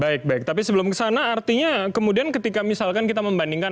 baik baik tapi sebelum kesana artinya kemudian ketika misalkan kita membandingkan